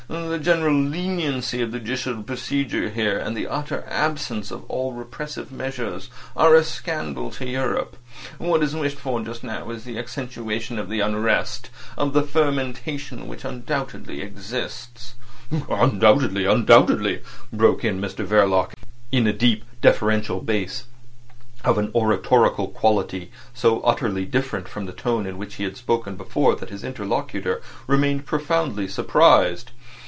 The general leniency of the judicial procedure here, and the utter absence of all repressive measures, are a scandal to Europe. What is wished for just now is the accentuation of the unrest—of the fermentation which undoubtedly exists—" "Undoubtedly, undoubtedly," broke in Mr Verloc in a deep deferential bass of an oratorical quality, so utterly different from the tone in which he had spoken before that his interlocutor remained profoundly surprised.